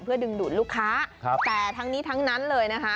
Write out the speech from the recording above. เพื่อดึงดูดลูกค้าแต่ทั้งนี้ทั้งนั้นเลยนะคะ